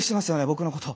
僕のこと。